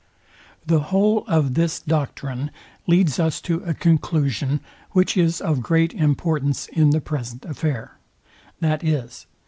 The whole of this doctrine leads us to a conclusion, which is of great importance in the present affair, viz.